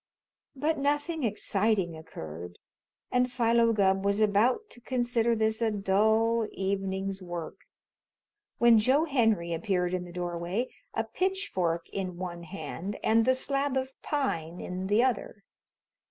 But nothing exciting occurred, and Philo Gubb was about to consider this a dull evening's work, when Joe Henry appeared in the doorway, a pitchfork in one hand and the slab of pine in the other.